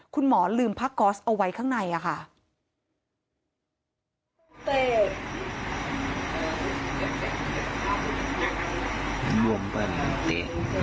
คุณหมอลืมพระกอสเอาไว้ข้างใน